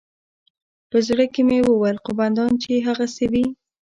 په زړه کښې مې وويل قومندان چې يې هغسې وي.